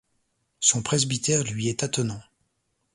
Son presbytère lui est attenant.